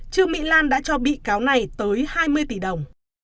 trương mỹ lan đã cho bị cáo này tới hai mươi tỷ đồng